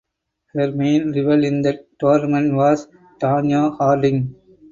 Her main rival in that tournament was Tonya Harding.